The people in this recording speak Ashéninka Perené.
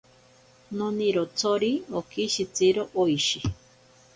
Nonirotsori okishitiro oishi.